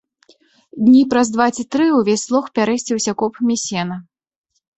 Дні праз два ці тры ўвесь лог пярэсціўся копамі сена.